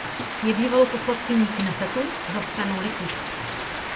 Je bývalou poslankyní Knesetu za stranu Likud.